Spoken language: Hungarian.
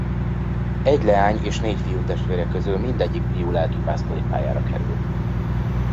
Egy leány- és négy fiútestvére közül mindegyik fiú lelkipásztori pályára került.